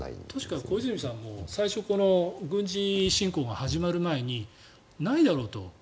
確かに小泉さんも最初、この軍事侵攻が始まる前にないだろうと。